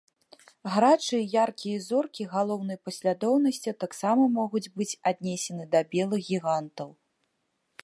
Гарачыя і яркія зоркі галоўнай паслядоўнасці таксама могуць быць аднесены да белых гігантаў.